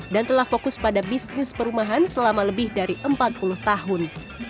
dan telah fokus pada bisnis perumahan selama lebih dari empat puluh tahun